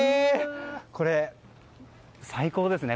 これ、最高ですね。